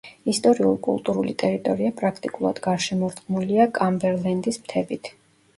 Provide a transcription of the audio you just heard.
ისტორიულ-კულტურული ტერიტორია პრაქტიკულად გარშემორტყმულია კამბერლენდის მთებით.